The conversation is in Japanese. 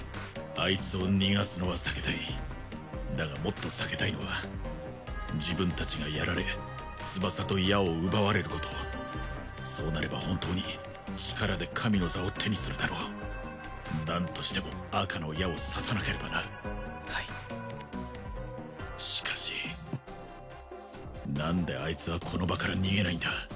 あいつを逃がすのは避けたいだがもっと避けたいのは自分達がやられ翼と矢を奪われることそうなれば本当に力で神の座を手にするだろう何としても赤の矢を刺さなければなはいしかし何であいつはこの場から逃げないんだ